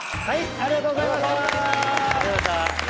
ありがとうございます。